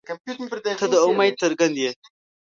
• ته د امید څرک یې.